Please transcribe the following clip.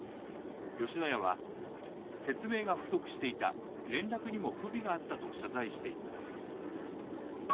吉野家は説明が不足していた連絡にも不備があったと謝罪しています。